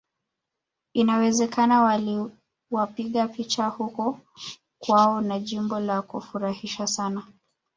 Inawezekana waliwapiga picha huko kwao na jambo la kufurahisha sana